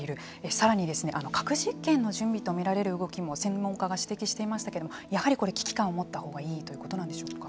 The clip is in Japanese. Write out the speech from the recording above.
さらに、核実験の準備と見られる動きも専門家が指摘いましたけれどもやはり、これ危機感を持ったほうがいいということなんでしょうか。